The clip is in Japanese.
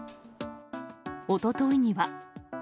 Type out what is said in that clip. おとといには。